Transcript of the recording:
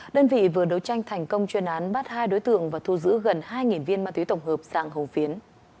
đơn vị vừa đấu tranh thành công chuyên án bắt hai đối tượng và thu giữ gần hai viên ma túy tổng hợp sang hồng phiến